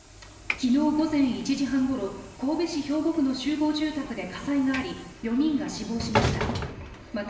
昨日午前１時半ごろ神戸市兵庫区の集合住宅で火災があり４人が死亡しました。